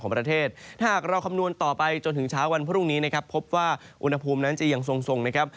พรุ่งนี้นะครับพบว่าอุณหภูมินั้นจะยังทรงทรงนะครับ